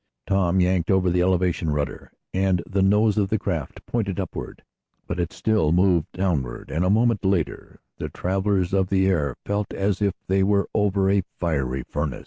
Tom yanked over the elevation rudder, and the nose of the craft pointed upward. But it still moved downward, and, a moment later the travelers of the air felt as if they were over a fiery furnace.